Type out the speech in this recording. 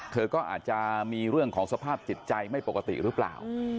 เธอก็อาจจะมีเรื่องของสภาพจิตใจไม่ปกติหรือเปล่า